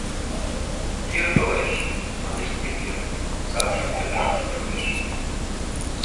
— Йӱр толеш, — манеш Темиров, сапшым чотрак шупшылеш...